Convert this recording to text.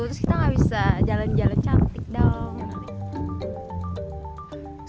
terus kita nggak bisa jalan jalan cantik dong